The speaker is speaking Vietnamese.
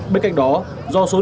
bên cạnh đó do số lượng